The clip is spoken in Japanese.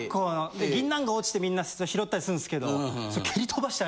で銀杏が落ちてみんな拾ったりするんですけど。